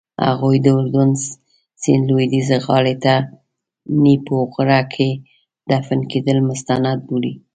هغوی د اردن سیند لویدیځې غاړې ته نیپو غره کې دفن کېدل مستند بولي.